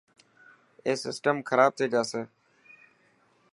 اي سسٽم خراب ٿي جاسي.